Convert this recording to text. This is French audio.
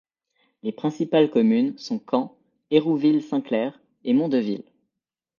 Les principales communes sont Caen, Hérouville-Saint-Clair et Mondeville.